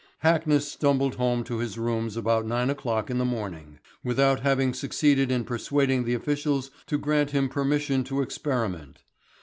Hackness stumbled home to his rooms about nine o'clock in the morning, without having succeeded in persuading the officials to grant him permission to experiment.